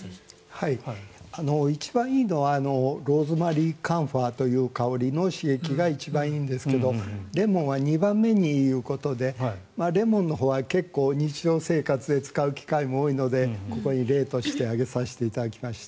一番いいのはローズマリーカンファーという香りの刺激が一番いいんですがレモンは２番目にいいということでレモンのほうは結構日常生活で使うことも多いのでここに例として挙げさせていただきました。